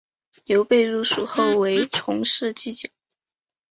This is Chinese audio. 刘备入蜀后为从事祭酒。